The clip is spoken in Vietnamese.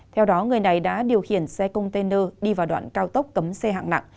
theo đó người này đã điều khiển xe container đi vào đoạn cao tốc cấm xe hạng nặng